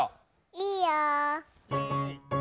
いいよ。